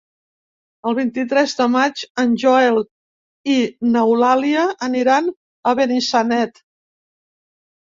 El vint-i-tres de maig en Joel i n'Eulàlia aniran a Benissanet.